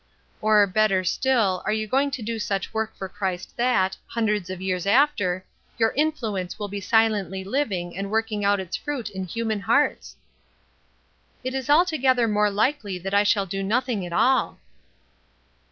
"Or, better still, are you going to do such work for Christ that, hundreds of years after, your influence will be silently living and working out its fruit in human hearts?" "It is altogether more likely that I shall do nothing at all."